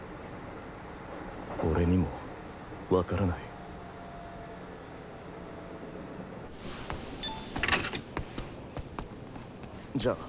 俺にもわからないじゃ。